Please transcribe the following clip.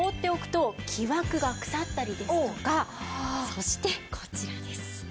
そしてこちらです。